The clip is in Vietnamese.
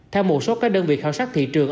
theo một số các đơn vị khảo sát thị trường